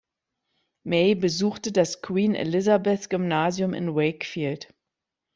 May besuchte das Queen Elizabeth Gymnasium in Wakefield.